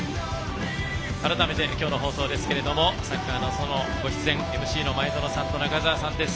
改めて、今日の放送ですけども「サッカーの園」ご出演ＭＣの前園さんと中澤さんです。